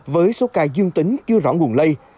với số ca dương tính chưa rõ nguồn lây